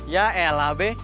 ya elah be